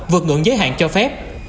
vượt ngưỡng giới hạn cho phép